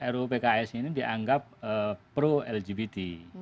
ruu pks ini dianggap pro lgbt